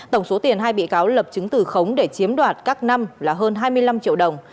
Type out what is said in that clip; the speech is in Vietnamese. tổng số tiền hai bị cáo lập chứng từ khống để chiếm đoạt các năm là hơn hai mươi năm triệu đồng